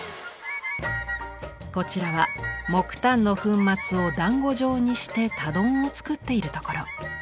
こちらは木炭の粉末をだんご状にして炭団を作っているところ。